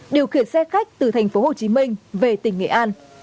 điều khiển xe khách từ thành phố hồ chí minh về tỉnh nghệ an